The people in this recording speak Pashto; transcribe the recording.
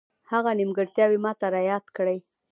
هغه نیمګړتیاوې ماته را یادې کړې.